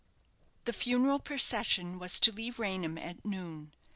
The funeral procession was to leave Raynham at noon.